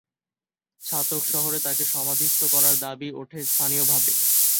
ছাতক শহরে তাকে সমাধিস্থ করার দাবি ওঠে স্থানীয়ভাবে।